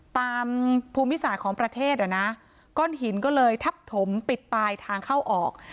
ภูมิศาสตร์ของประเทศอ่ะนะก้อนหินก็เลยทับถมปิดตายทางเข้าออก